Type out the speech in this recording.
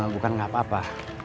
bukan gak apa apa